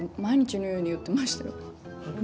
毎日のように言ってましたよ。